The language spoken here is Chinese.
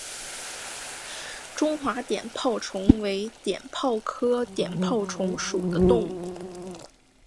中华碘泡虫为碘泡科碘泡虫属的动物。